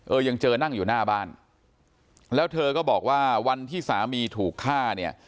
ยังเจอนั่งอยู่หน้าบ้านแล้วเธอก็บอกว่าวันที่สามีถูกฆ่าเนี่ย